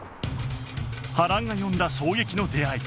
波乱が呼んだ衝撃の出会い